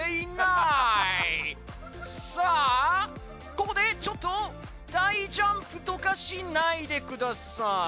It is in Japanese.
ここでちょっと大ジャンプとかしないでください。